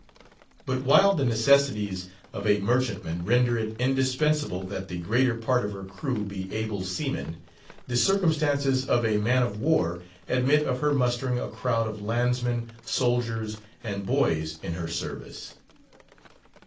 But while the necessities of a merchantman render it indispensable that the greater part of her crew be able seamen, the circumstances of a man of war admit of her mustering a crowd of landsmen, soldiers, and boys in her service.